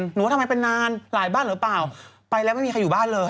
ว่าทำไมเป็นนานหลายบ้านหรือเปล่าไปแล้วไม่มีใครอยู่บ้านเลย